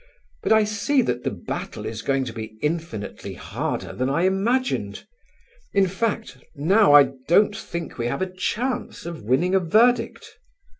But I see that the battle is going to be infinitely harder than I imagined. In fact, now I don't think we have a chance of winning a verdict.